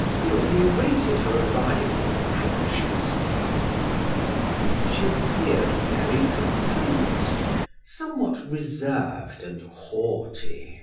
Still he awaited her arrival anxiously. She appeared very composed, somewhat reserved, and haughty.